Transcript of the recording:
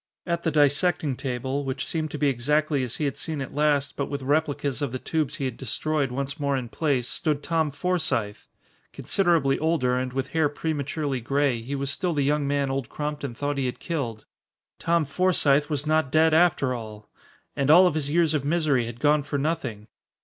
At the dissecting table, which seemed to be exactly as he had seen it last but with replicas of the tubes he had destroyed once more in place, stood Tom Forsythe! Considerably older and with hair prematurely gray, he was still the young man Old Crompton thought he had killed. Tom Forsythe was not dead after all! And all of his years of misery had gone for nothing.